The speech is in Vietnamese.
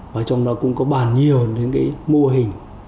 và trong đó cũng có bàn nhiều những cái mô hình